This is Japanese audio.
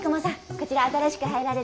こちら新しく入られた。